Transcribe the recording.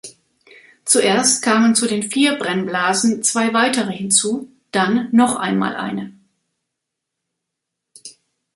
Zuerst kamen zu den vier Brennblasen zwei weitere hinzu, dann noch einmal eine.